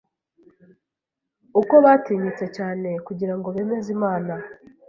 uko batinyutse cyane kugira ngo bemeze Imana